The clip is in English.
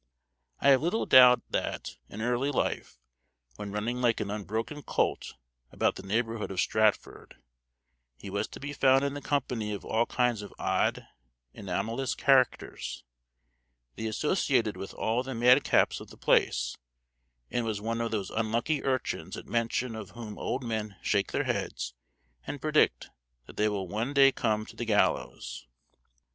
I have little doubt that, in early life, when running like an unbroken colt about the neighborbood of Stratford, he was to be found in the company of all kinds of odd anomalous characters, that he associated with all the madcaps of the place, and was one of those unlucky urchins at mention of whom old men shake their heads and predict that they will one day come to the gallows.